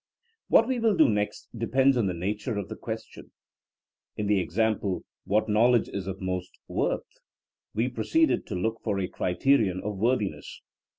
What we will do next depends on the nature of the question. In the example What knowl edge is of most worth T ' we proceeded to look for a criterion of worthiness.